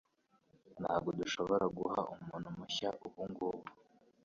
Ntabwo dushobora guha umuntu mushya ubungubu